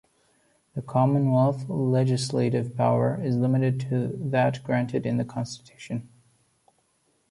The Commonwealth legislative power is limited to that granted in the Constitution.